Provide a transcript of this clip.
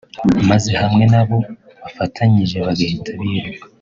maze hamwe n’abo bafatanyije bagahita biruka